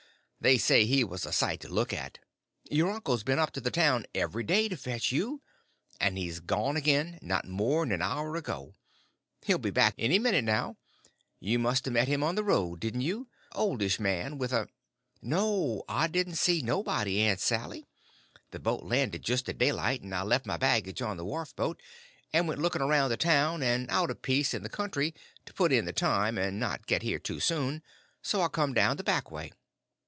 They say he was a sight to look at. Your uncle's been up to the town every day to fetch you. And he's gone again, not more'n an hour ago; he'll be back any minute now. You must a met him on the road, didn't you?—oldish man, with a—" "No, I didn't see nobody, Aunt Sally. The boat landed just at daylight, and I left my baggage on the wharf boat and went looking around the town and out a piece in the country, to put in the time and not get here too soon; and so I come down the back way."